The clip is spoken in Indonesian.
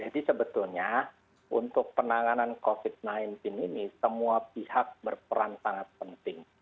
jadi sebetulnya untuk penanganan covid sembilan belas ini semua pihak berperan sangat penting